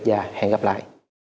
và hẹn gặp lại